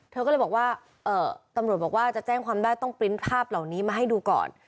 เธอก็เลยบอกว่าตำรวจบอกว่าจะแจ้งความได้ต้องปริ้นต์ภาพเหล่านี้มาให้ดูก่อน